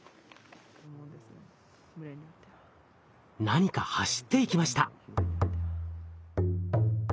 何か走っていきました。